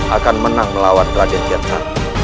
akan menang melawan raden jeta